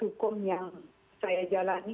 hukum yang saya jalani